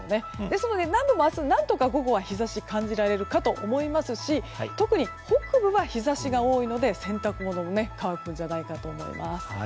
ですので、南部も明日、何とか午後は日差しを感じられるかと思いますし特に北部は日差しが多いので、洗濯物も乾くんじゃないかと思います。